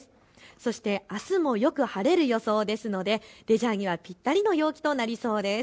そしてあすもよく晴れる予想ですのでレジャーにはぴったりの陽気となりそうです。